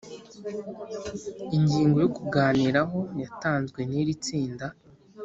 Ingingo yo kuganiraho yatanzwe nirindi tsinda.